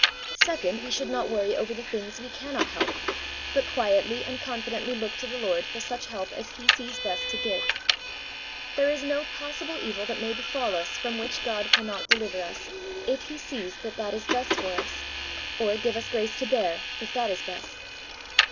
Second, we should not worry over the things we cannot help, but quietly and con fidently look to the Lord for such help as He sees best to give. There is no possible evil that may befall us from which God can not deliver us, if He sees that that is best for us, or give us grace to bear, if that is best.